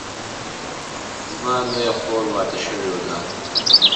زما لویه خور واده شوې ده